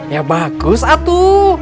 ya bagus atu